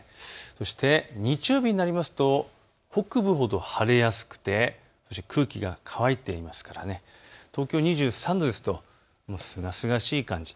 そして日曜日になりますと北部ほど晴れやすくて空気が乾いていますから東京２３度ですとすがすがしい感じ。